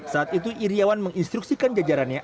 saat itu iryawan menginstruksikan jajarannya